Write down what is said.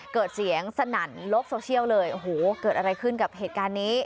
เกิดเสียงสนั่นโลกโซเชียลเลยโอ้โหเกิดอะไรขึ้นกับเหตุการณ์นี้